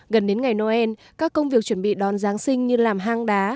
gần đến ngày noel các công việc chuẩn bị đón giáng sinh như làm hang đá